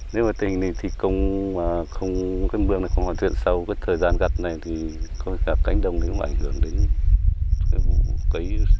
nếu mà tình thì không cái mương này không hoàn thiện sau cái thời gian gặp này thì có cả cánh đồng này không ảnh hưởng